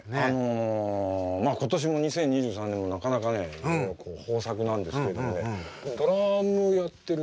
今年も２０２３年もなかなかね豊作なんですけれどもねドラムをやってる。